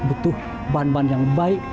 butuh bahan bahan yang baik